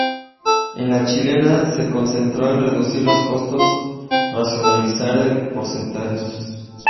En la chilena se concentró en reducir los costos y racionalizar el personal.